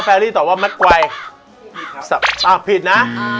อ้า๑๙๔๕อันนี้ยังเป็นแรกเหรอปิดนะ